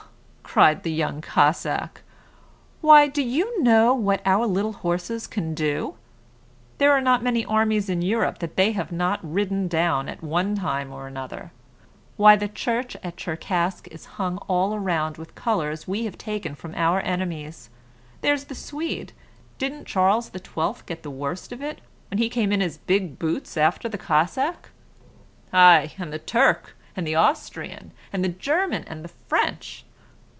cried the young Cossack. "Why, do you know what our little horses can do? There are not many armies in Europe that they have not ridden down, at one time or another. Why, the church at Tcherkask is hung all round with Colours we have taken from our enemies. There's the Swede didn't Charles XII. get the worst of it when he came in his big boots after the Cossack? ay, and the Turk, and the Austrian, and the German, and the French?